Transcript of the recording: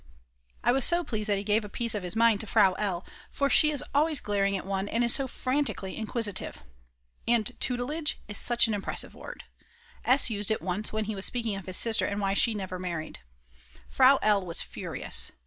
I was so pleased that he gave a piece of his mind to Frau L., for she is always glaring at one and is so frantically inquisitive. And tutelage is such an impressive word, S. used it once when he was speaking of his sister and why she had never married. Frau L. was furious.